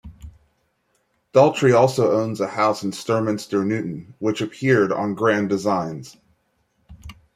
Daltrey also owns a house in Sturminster Newton, which appeared on "Grand Designs".